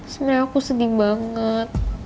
sebenernya aku sedih banget